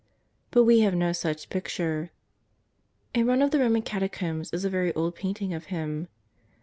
But we have no such picture. Tn one of the Roman catacombs is a very old painting of Him.